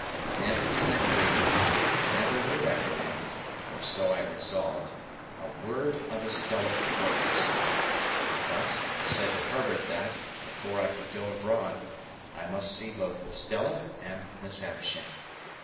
Never had I breathed, and never would I breathe—or so I resolved—a word of Estella to Provis. But, I said to Herbert that, before I could go abroad, I must see both Estella and Miss Havisham.